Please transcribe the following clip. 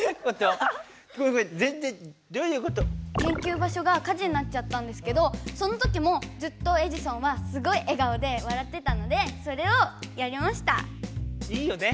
けんきゅうばしょがかじになっちゃったんですけどその時もずっとエジソンはすごいえがおでわらってたのでそれをやりました。